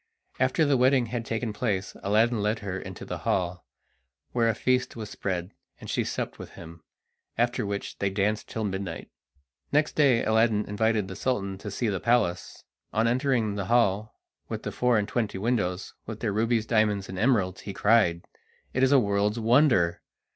After the wedding had taken place Aladdin led her into the hall, where a feast was spread, and she supped with him, after which they danced till midnight. Next day Aladdin invited the Sultan to see the palace. On entering the hall with the four and twenty windows, with their rubies, diamonds, and emeralds, he cried: "It is a world's wonder!